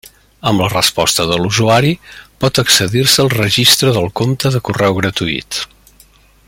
Amb la resposta de l'usuari, pot accedir-se al registre del compte de correu gratuït.